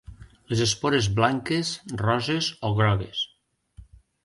Les espores blanques, roses o grogues.